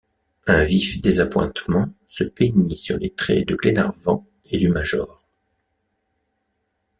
Un vif désappointement se peignit sur les traits de Glenarvan et du major.